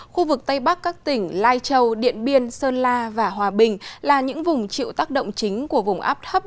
khu vực tây bắc các tỉnh lai châu điện biên sơn la và hòa bình là những vùng chịu tác động chính của vùng áp thấp